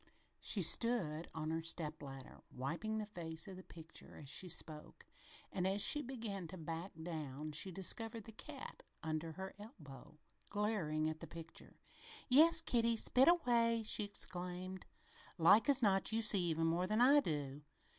She stood on her step ladder, wiping the face of the picture as she spoke, and as she began to back down she discovered the cat under her elbow, glaring at the picture. "Yes, Kitty! Spit away!" she exclaimed. "Like as not you see even more than I do!"